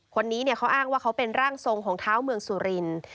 คนนี้เขาอ้างว่าเขาเป็นร่างทรงของเท้าเมืองสุรินทร์